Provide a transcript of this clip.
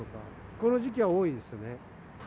この時期は多いですよね。